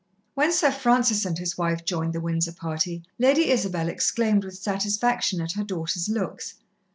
When Sir Francis and his wife joined the Windsor party, Lady Isabel exclaimed with satisfaction at her daughters' looks.